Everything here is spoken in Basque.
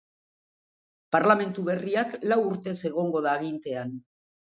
Parlamentu berriak lau urtez egongo da agintean.